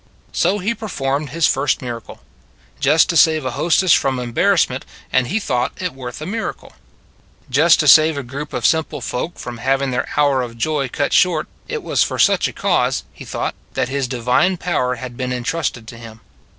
So He performed His first miracle. Just to save a hostess from embarrassment and He thought it worth a miracle. Just to save a group of simple folk from having their hour of joy cut short it was for such a cause, He thought, that His divine power had been intrusted to Him.